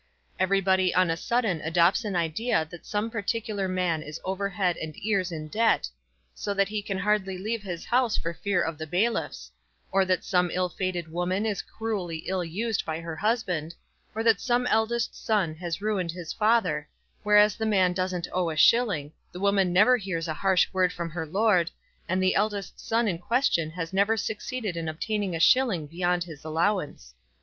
Everybody on a sudden adopts an idea that some particular man is over head and ears in debt, so that he can hardly leave his house for fear of the bailiffs; or that some ill fated woman is cruelly ill used by her husband; or that some eldest son has ruined his father; whereas the man doesn't owe a shilling, the woman never hears a harsh word from her lord, and the eldest son in question has never succeeded in obtaining a shilling beyond his allowance.